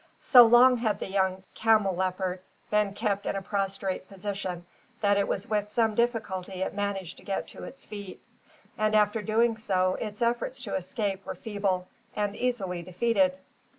So long had the young camelopard been kept in a prostrate position, that it was with some difficulty it managed to get to its feet; and, after doing so, its efforts to escape were feeble, and easily defeated.